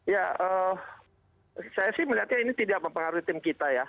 ya saya sih melihatnya ini tidak mempengaruhi tim kita ya